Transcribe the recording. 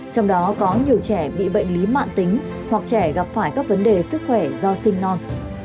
trong đó có nhiều trẻ bị bệnh lý mạng tính hoặc trẻ gặp phải các vấn đề sức khỏe do sinh non